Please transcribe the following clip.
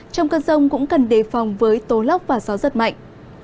trong cân rông cũng cần để phòng với tố lốc và gió rất mạnh